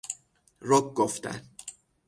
رک گفتن